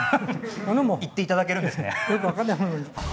言って頂けるんですね。